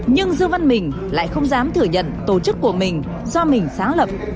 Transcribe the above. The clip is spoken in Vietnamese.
nhưng dương văn mình lại không dám thử nhận tổ chức của mình do mình sáng lập